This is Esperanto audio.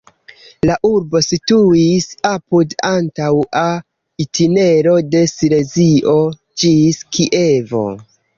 La urbo situis apud antaŭa itinero de Silezio ĝis Kievo.